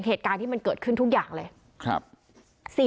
เหตุการณ์ที่มันเกิดขึ้นทุกอย่างเลย